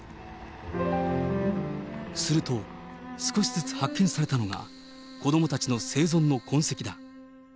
すると、少しずつ発見されたのが、子どもたちの生存の痕跡だ。